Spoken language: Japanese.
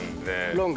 ロング。